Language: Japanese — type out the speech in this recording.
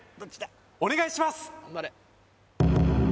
お願いします